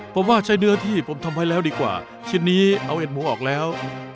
ผมว่าใช้เนื้อที่ผมทำไว้แล้วดีกว่าชิ้นนี้เอาเห็ดหมูออกแล้ว